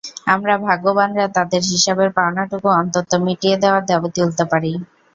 আমরা ভাগ্যবানরা তাদের হিসাবের পাওনাটুকু অন্তত মিটিয়ে দেওয়ার দাবি তুলতে পারি।